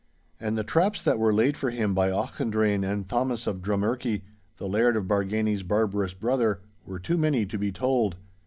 And the traps that were laid for him by Auchendrayne and Thomas of Drummurchie, the Laird of Bargany's barbarous brother, were too many to be told.